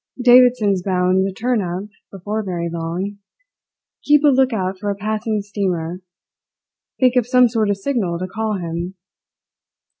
Davidson's bound to turn up before very long. Keep a look out for a passing steamer. Think of some sort of signal to call him."